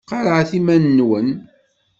Qarɛet iman-nwen.